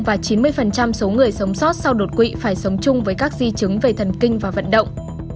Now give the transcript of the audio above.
và chín mươi số người sống sót sau đột quỵ phải sống chung với các di chứng về thần kinh và vận động